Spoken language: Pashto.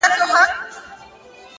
بریا له نظم سره مینه لري!